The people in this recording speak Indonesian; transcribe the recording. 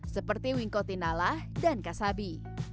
seperti wingko tinala dan kasabi